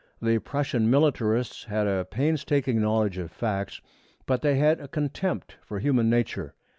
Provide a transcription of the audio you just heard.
The Prussian militarists had a painstaking knowledge of facts, but they had a contempt for human nature.